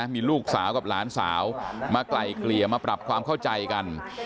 มีลูกสาวกับหลานสาวมาไกลเกลี่ยมาปรับความเข้าใจกัน